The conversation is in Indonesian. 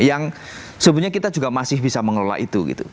yang sebenarnya kita juga masih bisa mengelola itu gitu